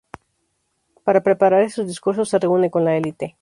para preparar esos discursos se reúne con la élite